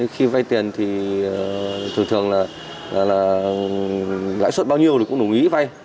khi vay tiền thì thường thường là lãi suất bao nhiêu thì cũng đồng ý vay